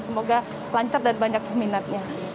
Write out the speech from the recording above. semoga lancar dan banyak peminatnya